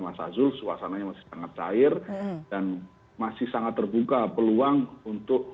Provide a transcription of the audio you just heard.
mas azul suasananya masih sangat cair dan masih sangat terbuka peluang untuk